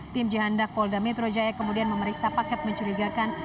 tim jihandak polda metrojaya kemudian memeriksa paket mencurigakan